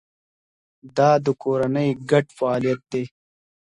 دا د کورنۍ ګډ فعالیت دی.